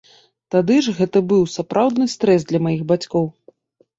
Тады ж гэта быў сапраўдны стрэс для маіх бацькоў.